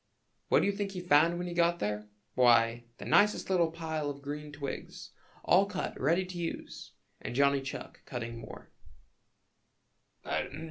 What do you think he found when he got there? Why, the nicest little pile of green twigs, all cut ready to use, and Johnny Chuck cutting more.